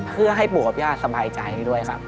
เพื่อให้ปู่กับย่าสบายใจด้วยครับ